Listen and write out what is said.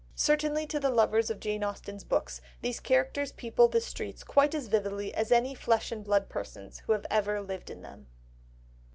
Certainly to the lovers of Jane Austen's books these characters people the streets quite as vividly as any flesh and blood persons who have ever lived in them.